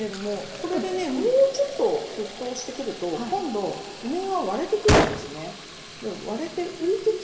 これでねもうちょっと沸騰してくると今度梅が割れてくるんですね。